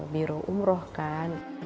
biro umrah kan